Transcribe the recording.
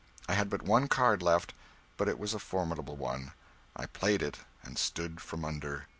I had but one card left, but it was a formidable one. I played it and stood from under.